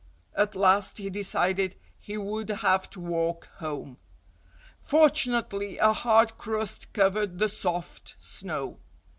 At last he decided he would have to walk home. Fortunately, a hard crust covered the soft snow.